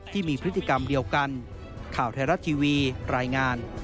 ที่มีพฤติกรรมเดียวกัน